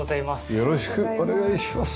よろしくお願いします。